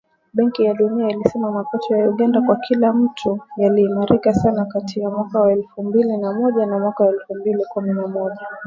Benki ya Dunia ilisema mapato ya Uganda kwa kila mtu yaliimarika sana kati ya mwaka wa elfu mbili na moja na mwaka wa elfu mbili kumi na moja.